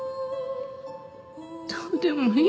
どうでもいい。